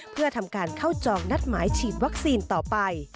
เพื่อทำการเข้าจองนัดหมายฉีดวัคซีนต่อไป